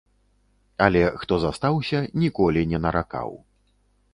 Але хто застаўся, ніколі не наракаў.